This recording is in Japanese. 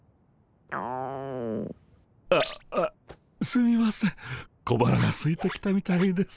あすみません小腹がすいてきたみたいです。